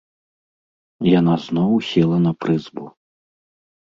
Яна зноў села на прызбу.